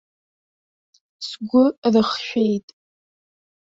Сгәы рыхшәеит.